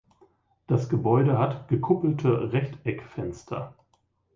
Das Gebäude hat gekuppelte Rechteckfenster.